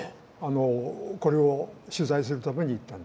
これを取材するために行ったの。